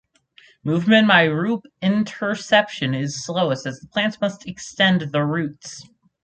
Movement by root interception is slowest as the plants must extend their roots.